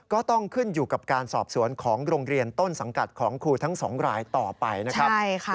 ก็ต้องขึ้นอยู่กับการสอบสวนของโรงเรียนต้นสังกัดของครูทั้งสองรายต่อไปนะครับ